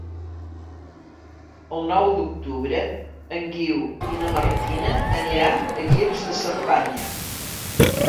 El nou d'octubre en Guiu i na Martina aniran a Guils de Cerdanya.